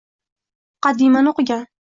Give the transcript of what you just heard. muqaddimani o‘qigan